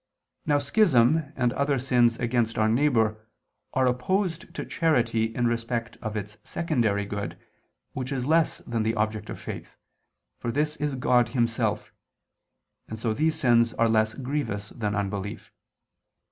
Now schism and other sins against our neighbor, are opposed to charity in respect of its secondary good, which is less than the object of faith, for this is God Himself; and so these sins are less grievous than unbelief.